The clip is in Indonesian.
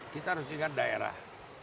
kita harus ingat daerah